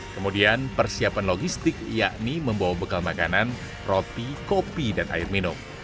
kemudian persiapan logistik yakni membawa bekal makanan roti kopi dan air minum